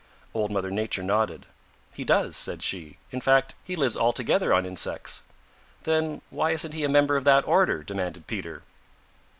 Old Mother Nature nodded. "He does," said she. "In fact he lives altogether on insects." "Then why isn't he a member of that order?" demanded Peter.